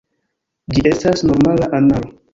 Ĝi estas normala anaro.